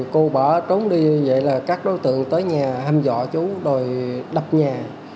cô bỏ trốn đi như vậy là các đối tượng tới nhà hâm dọa chú rồi đập nhà